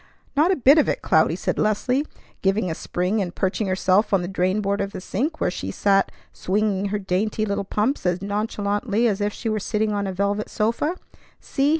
"Not a bit of it, Cloudy!" said Leslie, giving a spring and perching herself on the drain board of the sink, where she sat swinging her dainty little pumps as nonchalantly as if she were sitting on a velvet sofa. "See!